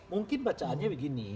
mungkin bacaannya begini